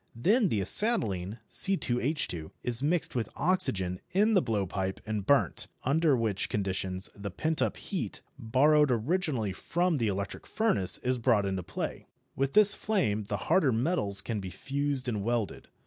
Then the acetylene (C_H_) is mixed with oxygen in the blowpipe and burnt, under which conditions the pent up heat, borrowed originally from the electric furnace, is brought into play. With this flame the harder metals can be fused and welded.